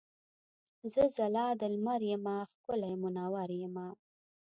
زه ځلا د لمر یمه ښکلی مونور یمه.